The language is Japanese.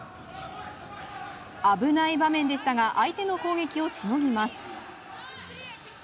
危ない場面でしたが相手の攻撃をしのぎます。